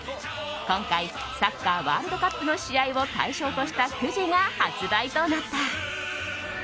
今回、サッカーワールドカップの試合を対象としたくじが発売となった。